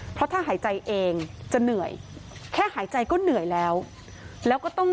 เพราะถ้าหายใจเองจะเหนื่อยแค่หายใจก็เหนื่อยแล้ว